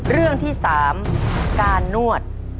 เรื่องที่๓การนวด